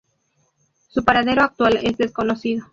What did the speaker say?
Su paradero actual es desconocido.